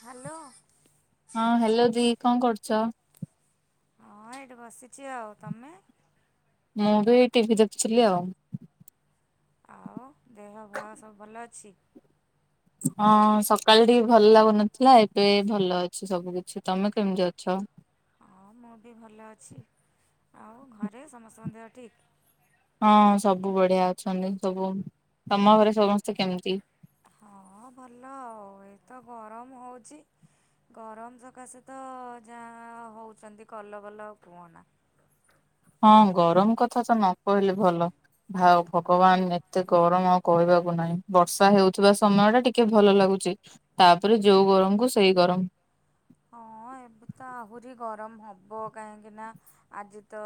Hello. ହଁ hello ଦି କଣ କରୁଛ? ହଁ ଏଇଠି ବସିଛି ଆଉ। ତମେ? ମୁଁ ବି ଏଇ ଟିଭି ଦେଖୁଥିଲି ଆଉ। ଆଉ ଦେହ ପାହ ସବୁ ଭଲ ଅଛି। ହଁ ସକାଳେ ଟିକେ ଭଲ ଲାଗୁନଥିଲା ଏବେ ଭଲ ଅଛି ସବୁ କିଛି ତମେ କେମିତି ଅଛ? ହଁ ମୁଁ ବି ଭଲ ଅଛି ଆଉ ଘରେ ସମସ୍ତଙ୍କ ଦେହ ଠିକ୍। ହଁ ସବୁ ବଢିଆ ଅଛନ୍ତି ସବୁ। ତମ ଘରେ ସମସ୍ତେ କେମିତି? ହଁ ଭଲ ଆଉ ଏ ତ ଗରମ ହେଉଛି। ଗରମ ସକାଶେ ତ ଯାହା ହେଉଛନ୍ତି କଲବଲ କୁହନା। ହଁ ଗରମ କଥା ତ ନ କହିଲେ ଭଲ। ଭାଉ ଭଗବାନ ଏତେ ଗରମ ଆଉ କହିବାକୁ ନାହିଁ। ବର୍ଷା ହେଉଥିବା ସମୟଟା ଟିକେ ଭଲ ଲାଗୁଚି। ତାପରେ ଯୋଉ ଗରମକୁୁ ସେଇ ଗରମ। ହଁ ଏବେ ତ ଆହୁରି ଗରମ ହବ କାହିଁକିନା ଆଜି ତ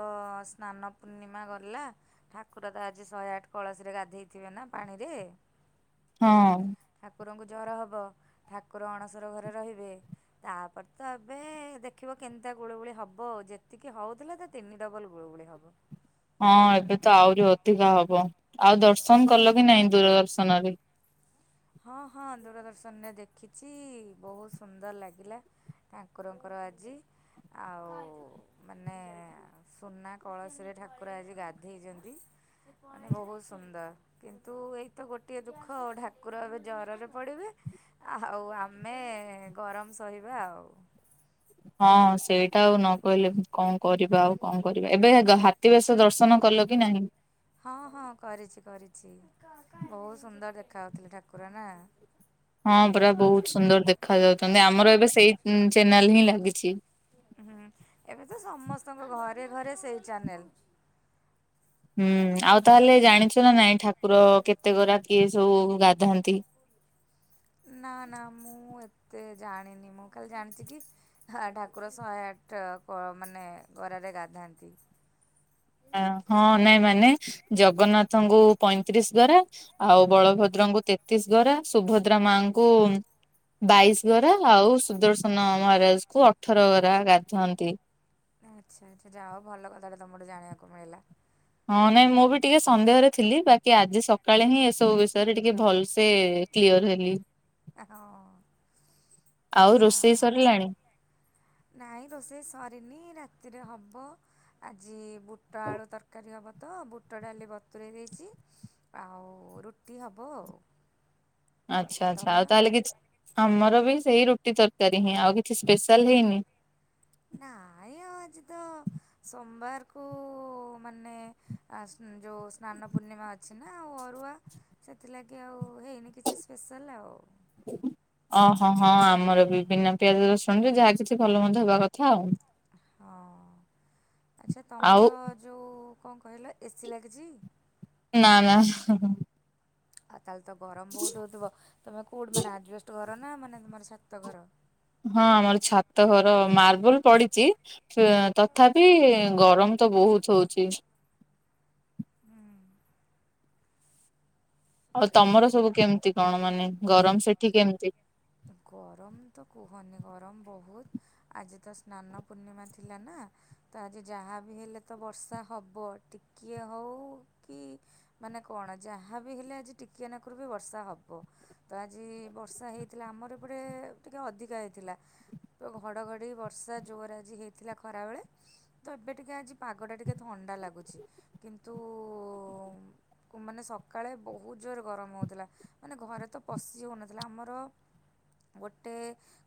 ସ୍ନାନ ପୂର୍ଣ୍ଣିମା ଗଲା। ଠାକୁର ତ ଆଜି ଶହେ ଆଠ କଳସୀରେ ଗାଧେଇଥିବେ ନା ପାଣିରେ। ହଁ। ଠାକୁରଙ୍କୁ ଜର ହବ ଠାକୁର ଅଣସର ଘରେ ରହିବେ। ତାପରେ ତ ଏବେ ଦେଖିବ କେମତା ଗୁଳୁଗୁଳି ହବ। ଯେତିକି ହୋଉଥିଲା ତା ତିନି ଡବଲ୍ ଗୁଳୁଗୁଳି ହବ। ହଁ ଏବେ ତ ଆହୁରି ଅଧିକା ହବ। ଆଉ ଦର୍ଶନ କଲ କି ନାଇଁ ଦୂରଦର୍ଶନରେ? ହଁ ହଁ ଦୂରଦର୍ଶନରେ ଦେଖିଚି ବୋହୁତ ସୁନ୍ଦର ଲାଗିଲା। ଠାଙ୍କୁରଙ୍କର ଆଜି ଆଉ ମାନେ ସୁନା କଳସୀରେ ଠାକୁର ଆଜି ଗାଧେଇଚନ୍ତି। ମାନେ ବୋହୁତ ସୁନ୍ଦର କିନ୍ତୁ ଏଇତ ଗୋଟିଏ ଦୁଃଖ ଠାକୁର ଏବେ ଜରରେ ପଡିବେ ଆଉଃ ଆମେ ଗରମ ସହିବା ଆଉ। ହଁ ସେଇଟା ଆଉ ନ କହିଲେ କଣ କରିବା ଆଉ କଣ କରିବା। ଏବେ ହେଗ ହାତୀ ବେଶ ଦର୍ଶନ କଲ କି ନାହିଁ? ହଁ ହଁ କରିଚି କରିଚି। ବୋହୁତ ସୁନ୍ଦର ଦେଖା ଯାଉଥିଲେ ଠାକୁର ନା। ହଁ ପରା ବୋହୁତ ସୁନ୍ଦର ଦେଖା ଯାଉଚନ୍ତି। ଆମର ଏବେ ସେଇ ଚ୍ୟାନେଲ ହିଁ ଲାଗିଚି। ହୁଁ ଏବେ ତ ସମସ୍ତଙ୍କ ଘରେ ଘରେ ସେଇ ଚ୍ୟାନେଲ। ହୁଁ ଆଉ ତାହେଲେ ଜାଣିଚୁ ନା ନାଇଁ ଠାକୁର କେତେ ଗରା କିଏ ସବୁ ଗାଧାନ୍ତି। ନାଁ ନାଁ ମୁଁ ଏତେ ଜାଣିନି। ମୁଁ ଖାଲି ଜାଣିଚି କି ହା ଠାକୁର ଶହେ ଆଠ ଗ ମାନେ ଗରାରେ ଗାଧାନ୍ତି। ହଁ ହଁ ନାଇଁ ମାନେ ଜଗନ୍ନାଥଙ୍କୁ ପଇଁତିରିଶ ଗରା। ଆଉ ବଳଭଦ୍ରଙ୍କୁ ତେତିଶ ଘରା ସୁଭଦ୍ରା ମାଙ୍କୁ ବାଇଶି ଗରା ଆଉ ସୁଦର୍ଶନ ମହାରାଜ କୁ ଅଠର ଗରା ଗାଧୁଅନ୍ତି। ଆଚ୍ଛା ଆଚ୍ଛା ଯାହା ହୋଉ ଭଲ କଥାଟେ ତମଠୁ ଜାଣିବାକୁ ମିଳିଲା। ହଁ ନାଇଁ ମୁଁ ବି ଟିକେ ସନ୍ଦେହରେ ଥିଲି ବାକି ଆଜି ସକାଳେ ହିଁ ଏସବୁ ବିଷୟରେ ଟିକେ ଭଲସେ କ୍ଲିଅର ହେଲି। ହଁ। ଆଉ ରୋଷେଇ ସରିଲାଣି? ନାଇଁ ରୋଷେଇ ସରିନି ରାତିରେ ହବ। ଆଜି ବୁଟ ଆଳୁ ତରକାରୀ ହବ ତ ବୁଟ ଡାଲି ବତୁରେଇ ଦେଇଚି ଆଉ ରୁଟି ହବ ଆଉ। ଆଚ୍ଛା ଆଚ୍ଛା ଆଉ ତମର? ତାହେଲେ କିଛି ଆମର ବି ସେଇ ରୁଟି ତରକାରୀ ହିଁ, ଆଉ କିଛି ସ୍ପେଶାଲ ହେଇନି? ନାଇଁ ଆଜି ତ ସୋମବାରକୁ ମାନେ ଆ ସ୍ନ ଯୋଉ ସ୍ନାନ ପୂର୍ଣ୍ଣିମା ଅଛି ନା ଅରୁଆ ସେଥିଲାଗି ଆଉ ହେଇନି କିଛି ସ୍ପେଶାଲ ଆଉ। ଓହୋ ହଁ ଆମର ବି ବିନା ପିଆଜ ରସୁଣରେ ଯାହା କିଛି ଭଲ ମନ୍ଦ ହବା କଥା ଆଉ। ହଁ ଆଚ୍ଛା ଆଉ ତମର ଯୋଉ କଣ କହିଲ ଏସି ଲାଗିଚି? ନାଁ ନାଁ [unintelligible] ଆଉ ତାହେଲେ ତ ଗରମ ବୋହୁତ ହୋଉଥିବ। ତମେ କୋଉଠି ମାନେ ଆଜବେଷ୍ଟ ଘର ନା ମାନେ ତମର ଛାତ ଘର। ହଁ ଆମର ଛାତ ଘର ମାର୍ବଲ ପଡିଚି ଫେ ତଥାପି ଗରମ ତ ବୋହୁତ ହୋଉଚି। ହୁଁ। ଆଉ ତମର ସବୁ ହଁ। କେମିତି କଣ ମାନେ ଗରମ ସେଠି କେମିତି? ଗରମତ କୁହନି ଗରମ ବହୁତ୍। ଆଜିତ ସ୍ନାନ ପୂର୍ଣ୍ଣିମା ଥିଲାନା ତା ଆଜି ଯାହାବି ହେଲେତ ବର୍ଷା ହବ ଟିକିଏ ହଉ କି ମାନେ କଣ ଯାହାବି ହେଲେ ଆଜି ଟିକିଏନାକରୁବି ବର୍ଷା ହବ ତଆଜି ବର୍ଷା ହେଇ ଥିଲା ଆମର ଏପଟେ ଟିକେ ଅଧିକା ହେଇଥିଲା। ପୁରା ଘଡ଼ଘଡ଼ି ବର୍ଷା ଜୋର ଆଜି ହେଇଥିଲା ଖରାବେଳେ। ତ ଏବେ ଟିକେ ଆଜି ପାଗଟା ଟିକେ ଥଣ୍ଡା ଲାଗୁଚି କିନ୍ତୁ ମାନେ ସକାଳେ ବହୁତ୍ ଜୋର ଗରମ ହେଉଥିଲା ମାନେ ଘରେତ ପଶି ହେଉନଥିଲା ଆମର ଗୋଟେ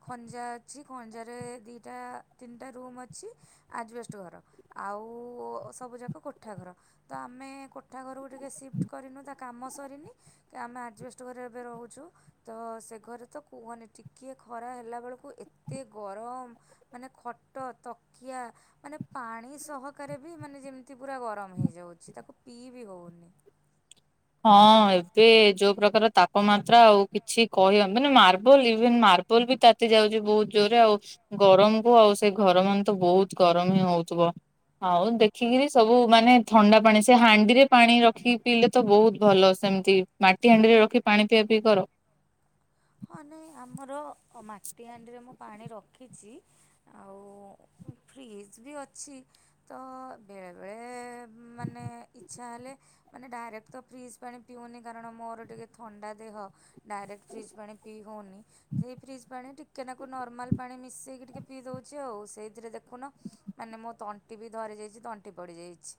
ଖଞ୍ଜା ଅଛି ଖଞ୍ଜାରେ ଦିଇଟା ତିନିଟା ରୁମ୍ ଅଛି। ଆଜବେଷ୍ଟ ଘର ଆଉ ସବୁ ଯାକ କୋଠାଘର। ତ ଆମେ କୋଠା ଘରକୁ ଟିକେ ସିଫ୍ଟ କରିନୁ ତାକାମ ସରିନି କି ଆମେ ଆଜେବଷ୍ଟେ ଘରେ ଏବେ ରହୁଚୁ ତସେଘରେ ତ କୁହନି ଟିକିଏ ଖରା ହେଲା ବେଳକୁ ଏତେ ଗରମ ମାନେ ଖଟ ତକିଆ ମାନେ ପାଣି ସହକାରେବି ମାନେ ଯେମିତି ପୁରା ଗରମ ହେଇଯାଉଛି ତାକୁ ପିଇବିି ହେଉନି। ହଁ ଏବେ ଯୋଉ ପ୍ରକାର ତାପମାତ୍ରା ଆଉ କିଛି କହି ମାନେ ମାର୍ବଲ ଇଭେନ ମାର୍ବଲବି ତାତି ଯାଉଚି ବହୁତ୍ ଜୋରେ ଆଉ ଗରମକୁ ଆଉ ସେ ଘର ମାନେତ ବହୁତ୍ ଗରମହିଁ ହଉଥିବ। ହଉ ଦେଖିକିରି ସବୁ ମାନେ ଥଣ୍ଡା ପାଣି ସେ ହାଣ୍ଡିରେ ପାଣି ରଖିକି ପିଇଲେ ତ ବହୁତ ଭଲ ସେମିତି ମାଟି ହାଣ୍ଡିରେ ରଖି ପାଣି ପିଆ ପିଇ କର। ହଁ ନାଇଁ ଆମର ମାଟି ହାଣ୍ଡିରେ ମୁଁ ପାଣି ରଖିଚି ଆଉ ଫ୍ରିଜବି ଅଛି। ତ ବେଳେବେଳେ ମାନେ ଇଚ୍ଛା ହେଲେ ମାନେ ଡାଇରେକ୍ଟତ ଫ୍ରିଜ୍ ପାଣି ପିଉନି କାରଣ ମୋର ଟିକେ ଥଣ୍ଡା ଦେହ ଡାଇରେକ୍ଟ ଫ୍ରିଜ୍ ପାଣି ପିଇ ହଉନି। ସେଇ ଫ୍ରିଜ୍ ପାଣି ଟିକେ ନାକୁ ନର୍ମାଲ ପାଣି ମିଶେଇକି ଟିକେ ପିଇ ଦଉଚି ଆଉ ସେଇଥିରେ ଦେଖୁନ ମାନେମୋ ତଣ୍ଟିବି ଧରି ଯାଇଚି ତଣ୍ଟି ପଡ଼ିଯାଇଛି।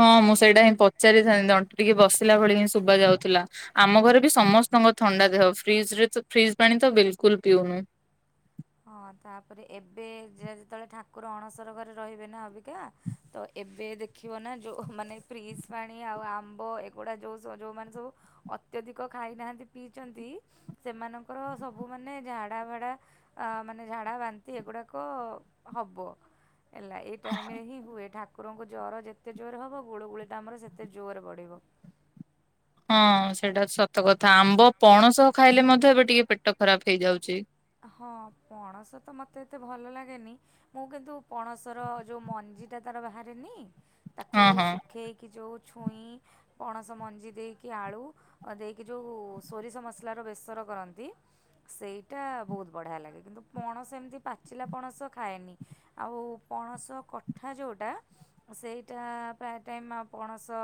ହଁ ମୁଁ ସେଇଟାହିଁ ପଚାରିଥାନ୍ତି ତଣ୍ଟି ଟିକେ ବସିଲା ଭଳିହିଁ ଶୁଭ ଯାଉଥିଲା। ଆମ ଘରେବି ସମସ୍ତଙ୍କ ଥଣ୍ଡା ଦେହ ଫ୍ରିଜରେ ତ ଫ୍ରିଜ୍ ପାଣିତ ବିଲକୁଲ୍ ପିଉନୁ। ହଁ ତାପରେ ଏବେ ଯେତେବେଳେ ଠାକୁର ଅଣସର ଘରେ ରହିବେନା ଅବିକା ତ ଏବେ ଦେଖିବନା ଯୋଉ ମାନେ ବ୍ରିଜ୍ ପାଣି ଆଉ ଆମ୍ବ ଏଗୁଡ଼ା ଯୋଉ ସବୁ ଯୋଉମାନେ ସବୁ ଅତ୍ୟଧିକ ଖାଇନାହାନ୍ତି ପିଇଚନ୍ତି ସେମାନଙ୍କର ସବୁ ମାନେ ଝାଡା ବାଡ଼ା ଅ ମାନେ ଝାଡ଼ା ବାନ୍ତି ଏଗୁଡ଼ାକ ହବ ହେଲା ଏ ଏ ଟାଇମରେ ହିଁ ହୁଏ ଠାକୁରଙ୍କୁ ଜ୍ୱର ଯେତେ ଜୋର ହବ ଗୁଳୁଗୁଳିଟା ଆମର ସେତେ ଜୋର ବଢ଼ିବ। ହଁ ସେଇଟା ସତକଥା ଆମ୍ବ, ପଣସ ଖାଇଲେ ମଧ୍ୟ ଏବେ ଟିକେ ପେଟ ଖରାପ୍ ହେଇଯାଉଚି। ହଁ ପଣସତ ମୋତେ ଏତେ ଭଲ ଲାଗେନି ମୁଁ କିନ୍ତୁ ପଣସର ଯୋଉ ମଞ୍ଜିଟା ତାର ବାହାରେନି ତାକୁ ହଁ ହଁ ଶୁଖେଇକି ଯଉଁ ଛୁଇଁ ପଣସ ମଞ୍ଜି ଦେଇକି ଆଳୁ ଦେଇକି ଯେଉଁ ସୋରିଷ ମସଲାର ବେସର କରନ୍ତି ସେଇ ଟା ବହୁତ୍ ବଢ଼ିଆ ଲାଗେ ପଣସ ଏମିତି ପାଚିଲା ପଣସ ଖାଏନି। ଆଉ ପଣସ କଠା ଯୋଉଁଟା ସେଇଟା ପ୍ରାୟ ଟାଇମ୍ ଆଉ ପଣସ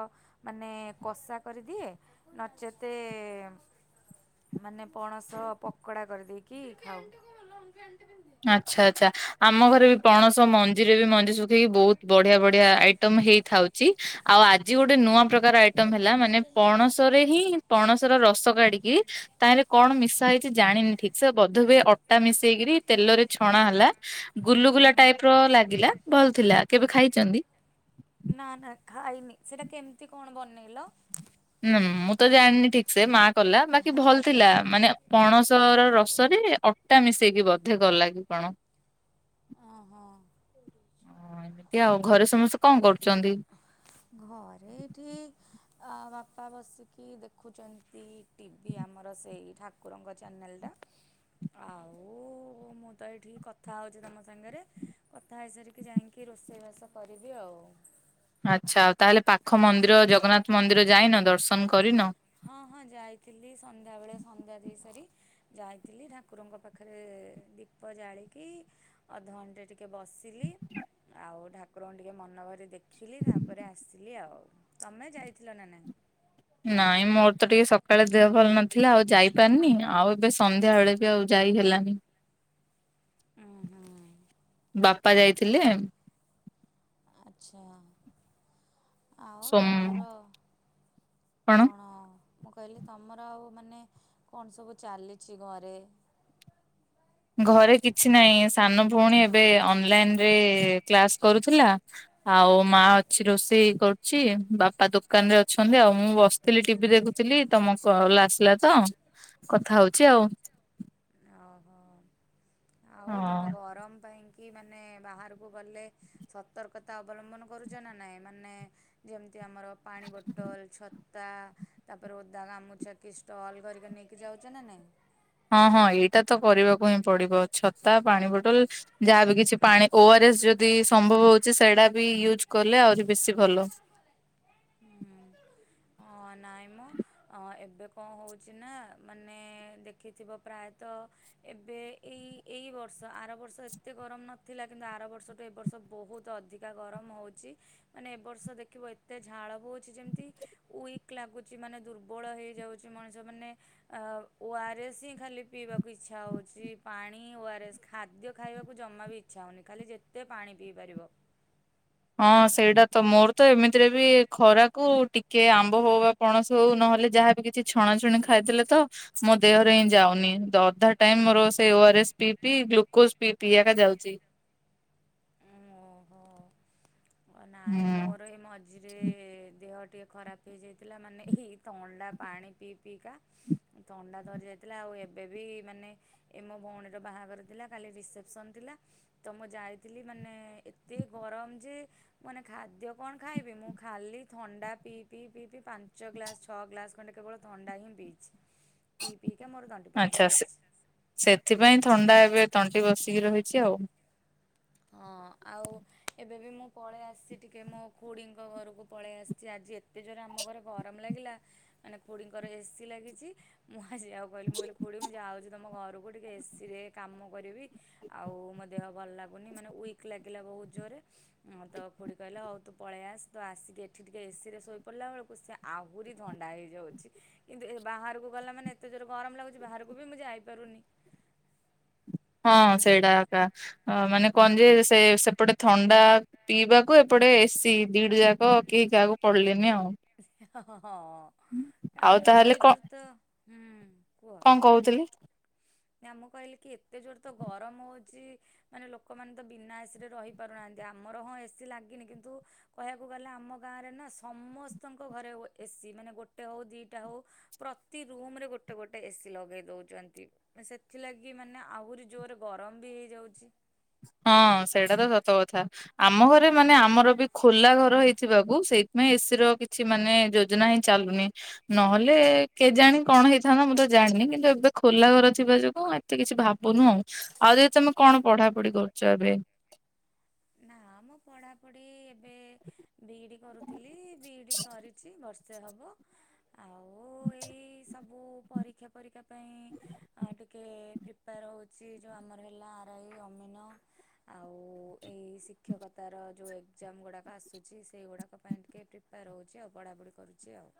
ମାନେ କଷା କରିଦିଏ। ନଚେତ ମାନେ ପଣସ ପକୋଡ଼ା କରିଦିଏ। କି ଖାଉ [unintelligible] ଆଚ୍ଛା ଆଚ୍ଛା ଆମ ଘରେ ବି ପଣସ ମ ମଞ୍ଜି ରେ ବି ମଞ୍ଜି ଶୁଖେଇକି ବହୁତ ବଢିଆ ବଢିଆ ଆଇଟମ୍ ହେଇଥାଉଛି। ଆଉ ଆଜି ଗୋଟେ ନୂଆ ପ୍ର କାର ଆଇଟମ ହେଲା ମାନେ ପଣସରେ ହିଁ ପଣସର ରସ କାଢିକି ତାହିଁରେ କଣ ମିଶା ହେଇଛି ଜାଣିନି ଠିକ୍ ସେ ବଧହୁଏ ଅଟା ମିଶେଇକିରି ତେଲରେ ଛଣା ହେଲା ହୁଁ ଗୁଲୁଗୁଲା ଟାଇପର ଲାଗିଲା ଭଲ ଥିଲା କେବେ ଖାଇଛନ୍ତି? ନା ନା ଖାଇନି ସେଇଟା କେମିତି କଣ ବନେଇଲ? ହୁ ମୁଁ ତ ଜାଣିନି ଠିକ୍ ସେ ମା କଲା ବାକି ଭଲ ଆଚ୍ଛା ଥିଲା ଆଚ୍ଛା। ମାନେ ପଣସ ର ରସରେ ଅଟା ମିଶେଇକି ବଧେ କଲା କି କଣ? ଓହୋ। ମିତି ଆଉ ଘରେ ସମସ୍ତେ କଣ କରୁଛନ୍ତି? ଘରେ ଏଇଠି ଆ ବାପା ବସିକି ଦେଖୁଛନ୍ତି ଟିଭି ଆମର ସେଇ ଠାକ କୁୁରଙ୍କ ଚ୍ୟାନେଲ୍ ଟା। ଆଉ ମୁଁ ତ ଏଇଠି କଥା ହଉଛି ତମ ସାଙ୍ଗରେ। କଥା ହେଇସାରିକି ଯାଇକି ରୋଷେଇବାସ କରିବି ଆଉ। ଆଚ୍ଛା ଆଉ ତାହେଲେ ପାଖ ମନ୍ଦିର ଜଗନ୍ନାଥ ମନ୍ଦିର ଯାଇନ ଦର୍ଶନ କରିନ? ହଁ ହଁ ଯାଇଥିଲି ସନ୍ଧ୍ୟାବେେଳେ ସନ୍ଧ୍ୟା ଦେଇ ସାରି ଯାଇଥିଲି ଠାକୁରଙ୍କ ପାଖରେ ଦୀପ ଜାଳିକି ଅଧଘଣ୍ଟେ ଟିକେ ବସିଲି ଆଉ ଠାକୁରଙ୍କୁ ଟିକେ ମନ ଭରି ଦେଖି ଖିଲି ତାପରେ ଆସିଲି ଆଉ ତମେ ଯାଇଥିଲ ନା ନାହିଁ? ନାଇଁ ମୋର ତ ଟିକେ ସକାଳେ ଦେହ ଭଲ ନଥିଲା ଆଉ ଯାଇପାରିନି ଆଉ ଏବେ ସନ୍ଧ୍ୟା ବେଳେ ଏବେ ଆଉ ଯାଇ ହେଲାନି। ଓଁ ହୁଁ। ବାପା ଯାଇଥିଲେ। ଆଚ୍ଛା। ଆଉ ସୋମ ତମର କଣ? ମୁଁ କହିଲି ତମର ଆଉ ମାନେ କଣ ସବୁ ଚାଲିଛି ଘରେ? ଘରେ କିଛି ବାହିଁ ସାନ ଭଉଣୀ ଏବେ ଅନଲାଇନରେ କ୍ଲାସ କରୁଥିଲା। ଆଉ ମା ଅଛି ରୋଷେଇ କରୁଛି ବାପା ଦୋକାନ ରେ ଅଛନ୍ତି ଆଉ। ମୁଁ ବସିଥିଲି ଟିଭି ଦେଖୁଥିଲି ତମ କଲ ଆସିଲା ତ କଥା ହଉଛି ଆଉ। ଓହୋ ଆଉ ତମେ ହଁ। ଗରମ ପାଇଁ କି ମାନେ ବାହାରକୁ ଗଲେ ସତର୍କତା ଅବଲମ୍ବନ କରୁଛନା ନାଇଁ ମାନେ ଯେମିତି ଆମର ପାଣି ବୋଟଲ ଛତ ଯୋତା ତାପରେ ଓଦା ଗାମୁଛା କି ଷ୍ଟଲ୍ କରିକରି ନେଇକି ଯାଉଛ ନା ନାଇଁ? ହଁ ହଁ ଏଇଟା ତ କରିବାକୁ ହିଁ ପଡିବ ଛତା, ପାଣିବୋଟଲ ଯାହାବି କିଛି ପାଣି ଓଆରଏସ୍ ଯଦି ସମ୍ଭବ ହଉଛି ସେଇଟା ବି ୟୁଜ୍ କଲେ ଆହୁରି ବେଶୀ ଭଲ। ହୁଁ ହଁ ନାହିଁମ। ଅ ଏବେ କଣ ହଉଛି ନା ମାନେ ଦେଖିଥିବ ପ୍ରାୟତଃ ଏବେ ଏଇ ଏଇବର୍ଷ ଆରବର୍ଷ ଏତେ ଗରମ ନଥିଲା କିନ୍ତୁ ଆରବର୍ଷଠୁ ଏବର୍ଷ ବହୁତ ଅଧିକ ଗରମ ହେଉଛି ମାନେ ଏବର୍ଷ ଦେଖିବ ଏତେ ଝାଳ ବଉଛି ଯେମିତି ଉଇକ୍ ଲାଗୁଛି ମାନେ ଦୁର୍ବଳ ହେଇଯାଉଛି ମଣିଷ ମାନେ ଅ ଓ ଆର ଏସ୍ ହିଁ ଖାଲି ପିଇବାକୁ ଇଚ୍ଛା ହଉଛି ପାଣି ଓ ଆର ଏସ୍ ଖାଦ୍ୟ ଖାଇବାକୁ ଜମା ବି ଇଚ୍ଛା ହଉନି ଖାଲି ଯେତେ ପାଣି ପିଇ ପାରିବ। ହଁ ସେଇଟା ତ ମୋର ତ ଏମିତିରେ ବି ଖରାକୁ ଟିକେ ଆମ୍ବ ହଉ ବା ପଣସ ହଉ ନହେଲେ ଯାହାବି କିଛି ଛଣାଛୁଣି ଖାଇଦେଲେ ତ ମୋ ଦେହରେ ହିଁ ଯାଉନି ଅଧା ଟାଇମ ମୋର ସେଇ ଓ ଆର ଏସ୍ ପିଇ ପି ଗ୍ଲୁକୋଜ ପିଇ ପି ଏକା ଯାଉଛି। [unintelligible] ଓହୋ ନାଇଁ ହୁଁ ମୋର ଏ ମ ମଝିରେ ଦେହ ଟିକେ ଖରାପ ହେଇଯାଇଥିଲା ମାନେ ଏଇ ଥଣ୍ଡା ପାଣି ପିଇ ପିଇକା। ଥଣ୍ଡା ଧରି ଯାଇଥିଲା ଆଉ ଏବେ ବି ମାନେ ଏ ମୋ ଭଉଣୀର ବାହାଘର ଥିଲା କାଲି ରିସେପସନ ଥିଲା ତ ମୁଁ ଯାଇଥିଲି ମାନେ ଏତେ ଗରମ ଯେ ମାନେ ଖାଦ୍ୟ କଣ ଖାଇବି ମୁଁ ଖାଲି ଥଣ୍ଡା ପିଇ ପିଇ ପିଇ ପି ପାଞ୍ଚ ଗ୍ଲାସ ଛଅ ଗ୍ଲାସ ଖଣ୍ଡେ କେବଳ ଥଣ୍ଡା ହିଁ ପିଇଛି। ପିଇ ପିଇକା ମର ଆଚ୍ଛା ସେ ସେଥିପାଇଁ ଥଣ୍ଡା ଏବେ ତଣ୍ଟି ବସିକି ରହିଛି ଆଉ। ହଁ ଆଉ ଏବେ ବି ମୁଁ ପଳେଇ ଆସିଛି ଟିକେ ମୋ ଖୁଡ଼ିଙ୍କ ଘରକୁ ପଳେଇ ଆସିଛି ଆଜି ଏ ଏ-ତେ ଜୋର୍ ରେ ଆମ ଘରେ ଗରମ ଲାଗିଲା ମାନେ ଖୋଡ଼ିଙ୍କର ଏସିି ଲାଗିଛି। ମୁଁ ଆସିବାକୁ କହିଲି ମୁଁ କହିଲି ଖୁଡ଼ି ମୁଁ ଯାଉଛି ତମ ଘରକୁ। ଟିକେ ଏସି ରେ କାମ କରିବି ଆଉ ମୋ ଦେହ ଭଲ ଲାଗୁ ଉନି ମାନେ ୱିକ ଲାଗିଲା ବହୁତ ଜୋରରେ। ମଁ ତ ଖୁଡ଼ି କହିଲା ହଉ ତୁ ପଳେଇ ଆସ୍। ଆସିକି ଏଠି ଟିକେ ଏସିରେ ଶୋଇ ପଡ଼ିଲା ବେଳକୁ ସେ ଆହୁରି ଥଣ୍ଡା ହେଇଯାଉଛି। କିନ୍ତୁ ବାହାରକୁ ଗଲା ମାନେ ଏତେ ଜୋର ଗରମ ଲାଗୁଛି ବାହାରକୁ ବି ମୁଁ ଯାଇପାରୁନି। ହଁ ସେଇଟା ଏକା ମାନେ କହ ଯେ ସେ ସେପଟେ ଥଣ୍ଡା ପିଇବାକୁ ଏପଟେ ଏସିି ଦିଟ ଯାକ କେହି କାହାକୁ ପଡ଼ିଲେନି ଆଉ। ହଁ ଆଉ ଏତେ ଜୋର ତ ହୁଁ କୁହ। ମୁଁ କହୁଥିଲି। ନା ମୁଁ କହିଲି କି ଏତେ ଜୋର ତ ଗରମ ହଉଛି। ମାନେ ଲୋକମାନେ ତ ବିନା ଏସି ରେ ରହିପାରୁନାହାନ୍ତି ଆମର ହଁ ଏସି ଲାଗିନି କିନ୍ତୁ କହିବାକୁ ଗଲେ ଆମ ଗାଁ ରେ ନା ସମସ୍ତଙ୍କ ଘରେ ଏସି ମାନେ ଗୋଟେ ହଉ ଦିଟା ହଉ। ପ୍ରତି ରୁମରେ ଗୋଟେ ଗୋଟେ ଏସି ଲଗେଇ ଦଉଛନ୍ତି। ସେଥିଲାଗି ମାନେ ଆହୁରି ଜୋରରେ ଗରମ ବି ହେଇଯାଉଛି। ହଁ ସେଇଟା ତ ସତ କଥା। ଆମ ଘରେ ମାନେ ଆମର ବି ଖୋଲା ଘର ହେଇଥିବାକୁ ସେଇଥିପାଇଁ ଏସି ର କିଛି ମାନେ ଯୋ ଯୋଜନା ହିଁ ଚାଲୁନି। ନହେଲେ କେଜାଣି କଣ ହେଇଥାନ୍ତା ମୁଁ ତ ଜାଣିନି କିନ୍ତୁ ଏବେ ଖୋଲା ଘର ଥିବା ଯୋଗୁ ଏତେ କିଛି ଭାବୁନୁ। ଆଉ ଆଉ ଯଦି ତମେ କଣ ପଢ଼ା ପଢ଼ି କରୁଛ ଏବେ? ନା ଆମ ପଢ଼ାପଢି ଏବେ ବିଇଡି କରୁଥିଲି ବିଇଡି ସରିଛି ବର୍ଷେ ହବ। ଆଉ ଏଇ ସବୁ ପରୀକ୍ଷା ଫରୀକ୍ଷା ପାଇଁ ଆଉ ଟିକେ ପ୍ରିପାର ହେଉଛି ଯେଉଁ ଆମର ହେଲା ଆରାଇ ଅମିନ। ଆଉ ଏଇ ଶିକ୍ଷକତାର ଯେଉ ଏକ୍ଜାମ ଗୁଡ଼ାକ ଆସୁଛି ସେଇଗୁଡ଼ାକ ପାଇଁ ଟିକେ ପ୍ରି ପାର ରହୁଛି ଆଉ, ପଢ଼ାପଢ଼ି କରୁଛି ଆଉ।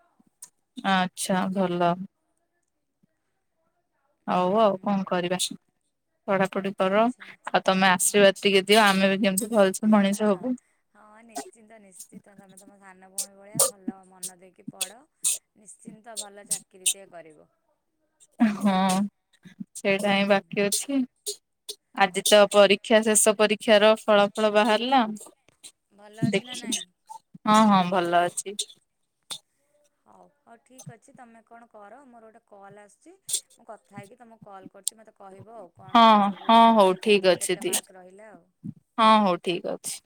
ଆଚ୍ଛା ଭଲ। ହଉ ଆଉ କଣ ହୁଁ କରିବା। [inaudible] ପଢ଼ାପଢ଼ି କର ଆଚ୍ଛା ଆଉ ତମେ ହଁ ଆଶୀର୍ବାଦ ଟିକେ ଦିଅ ଆମେ ବି କେମିତି ଭଲସେ ମଣିଷ ହବୁ। ହଁ ନିଶ୍ଚିନ୍ତ ନିଶ୍ଚିନ୍ତ ତମେ ତମ ସାନ ଭଉଣୀ ଭଳିଆ ଭଲ ମନ ଦେଇକି ପଢ଼। ନିଶ୍ଚିନ୍ତ ଭଲ ଚାକିରି ଟିଏ କରିବ। ହଁ ସେଇଟା ହିଁ ହୁଁ, ବାକି ଅଛି। ଆଜି ତ ପରୀକ୍ଷା, ଶେଷ ପରୀକ୍ଷାର ଫଳା ଫଳ ବାହାରିଲା। ଭଲ ଅଛି ନା ଦେଖି, ନାଇଁ? ହଁ ହଁ ଭଲ ଅଛି। ହଉ ହଉ ଠିକ୍ ଅଛି ତମେ କଣ କର, ମୋର ଗୋଟେ କଲ୍ ଆସ। ଛି, ମୁଁ କଥା ହେଇକି ତମକୁ କଲ୍ କରୁଛି ମତେ କହିବ ଆଉ। କଣ ହଁ କଣ ସବୁ ହଁ ହଉ କେତେ ଠିକ କଉଥିରେ ଅଛି କେତେ ଦି ମାର୍କ ରହିଲା ଆଉ। ହଁ ହୋଉ ଠିକ୍ ଅଛି।